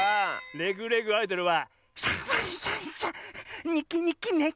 「レグ・レグ・アイドル」は。